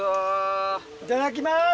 いただきます！